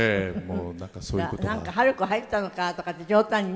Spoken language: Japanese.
「春子入ったのか」とかって冗談にね。